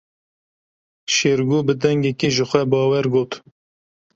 Şêrgo bi dengekî jixwebawer got.